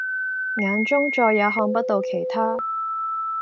眼中再也看不到其他